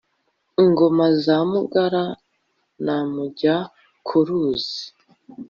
ingoma za mugara na mujya-ku-ruzi